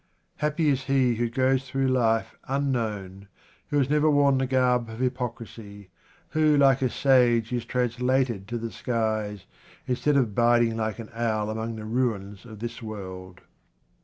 Happy is he who goes through life unknown, who has never worn the garb of hypocrisy, who like a sage is translated to the skies, instead of biding like an owl among the ruins of this world.